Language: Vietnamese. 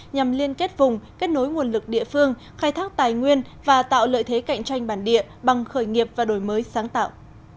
nhằm liên kết vùng kết nối nguồn lực địa phương khai thác tài nguyên và tạo lợi thế cạnh tranh bản địa bằng khởi nghiệp và đổi mới sáng tạo